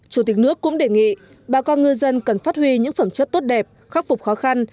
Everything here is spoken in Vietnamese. chủ tịch nước cũng đề nghị bà con ngư dân cần phát huy những phẩm chất tốt đẹp khắc phục khó khăn